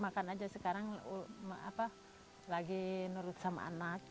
makan aja sekarang lagi nurut sama anak